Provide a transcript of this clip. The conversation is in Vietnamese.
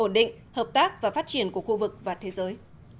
ổn định hợp tác và phát triển của khu vực và thế giới